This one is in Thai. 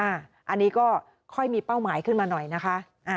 อันนี้ก็ค่อยมีเป้าหมายขึ้นมาหน่อยนะคะ